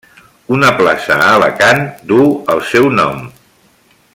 Una plaça a Alacant duu el seu nom.